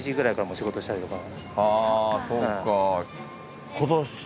あそっか。